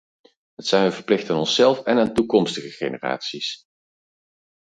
Dat zijn we verplicht aan onszelf en aan toekomstige generaties.